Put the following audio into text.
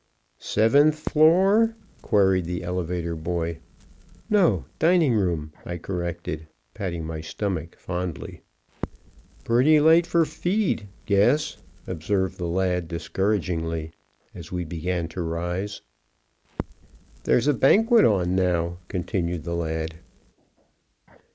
"Seventh floor?" queried the elevator boy. "No dining room," I corrected, patting my stomach fondly. "Pretty late for feed, guess," observed the lad discouragingly, as we began to rise. "There's a banquet on now," continued the lad.